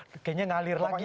kayaknya ngalir lagi itu